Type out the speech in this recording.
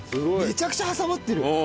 めちゃくちゃ挟まってる。